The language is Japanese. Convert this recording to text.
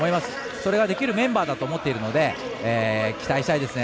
それができるメンバーだと思っているので期待したいですね。